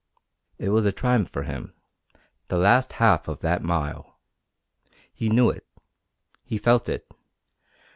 It was a triumph for him the last half of that mile. He knew it. He felt it.